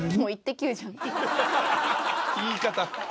言い方。